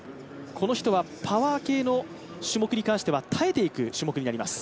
この人はパワー系の種目に関しては耐えていく種目になります。